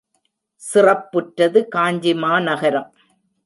சிறப்புற்றது காஞ்சிமா நகரம்.